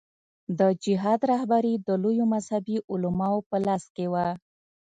د جهاد رهبري د لویو مذهبي علماوو په لاس کې وه.